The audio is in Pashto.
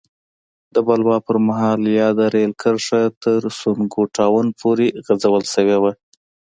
د بلوا پر مهال یاده رېل کرښه تر سونګو ټاون پورې غځول شوې وه.